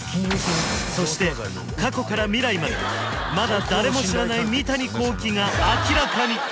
そして過去から未来までまだ誰も知らない三谷幸喜が明らかに！